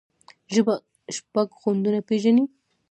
ژبه شپږ خوندونه پېژني.